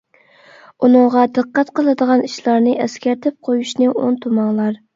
ئۇنىڭغا دىققەت قىلىدىغان ئىشلارنى ئەسكەرتىپ قويۇشنى ئۇنتۇماڭلار!